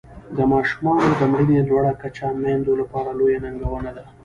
د ماشومانو د مړینې لوړه کچه میندو لپاره لویه ننګونه ده.